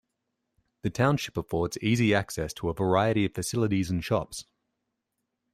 The township affords easy access to a variety of facilities and shops.